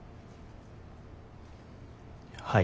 はい。